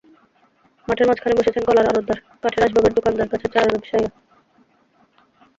মাঠের মাঝখানে বসেছেন কলার আড়তদার, কাঠের আসবাবের দোকানদার, গাছের চারার ব্যবসায়ীরা।